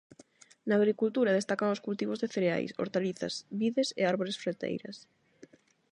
Na agricultura destacan os cultivos de cereais, hortalizas, vides e árbores froiteiras.